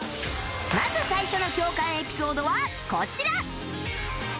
まず最初の共感エピソードはこちら！